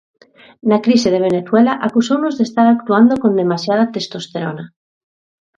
Na crise de Venezuela acusounos de estar actuando con demasiada testosterona.